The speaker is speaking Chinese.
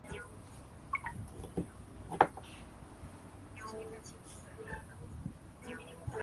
历代祖师的注解是对种种争议的最好回复。